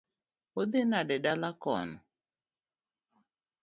Udhi nade dala kono?